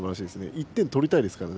１点取りたいですからね。